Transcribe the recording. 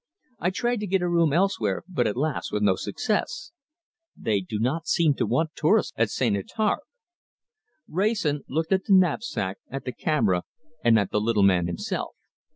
I tried to get a room elsewhere, but, alas! with no success. They do not seem to want tourists at St. Étarpe." Wrayson looked at the knapsack, at the camera, and at the little man himself.